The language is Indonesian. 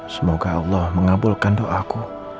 semoga allah mengabulkan doaku